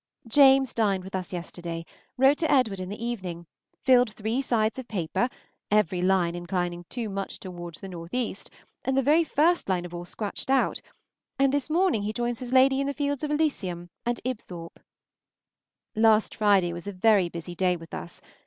James dined with us yesterday, wrote to Edward in the evening, filled three sides of paper, every line inclining too much towards the northeast, and the very first line of all scratched out, and this morning he joins his lady in the fields of Elysium and Ibthorp. Last Friday was a very busy day with us.